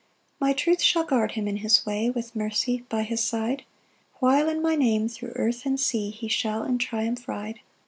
4 "My truth shall guard him in his way, "With mercy by his side, "While, in my name thro' earth and sea "He shall in triumph ride.